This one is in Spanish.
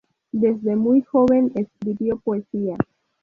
Desde muy joven, escribió poesía.